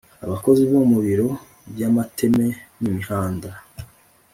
abakozi bo mubiro byamateme n’imihanda